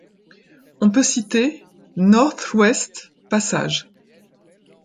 On peut citer Northwest Passage.